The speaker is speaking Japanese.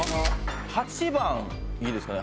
８番いいですかね。